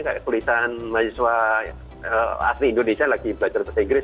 kayak tulisan mahasiswa asli indonesia lagi belajar bahasa inggris